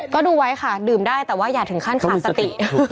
ก็ดูไว้ค่ะดื่มได้แต่ว่าอย่าถึงขั้นขาดสติ